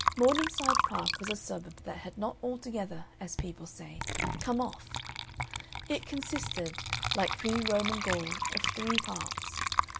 Morningside Park was a suburb that had not altogether, as people say, come off. It consisted, like pre Roman Gaul, of three parts.